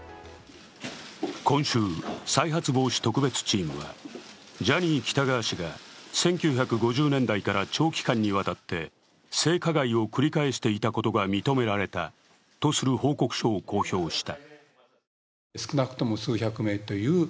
今週、再発防止特別チームはジャニー喜多川氏が１９５０年代から長期間にわたって性加害を繰り返していたことが認められたとする報告書を公表した。